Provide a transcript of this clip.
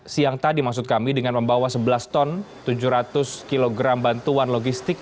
siang tadi maksud kami dengan membawa sebelas ton tujuh ratus kg bantuan logistik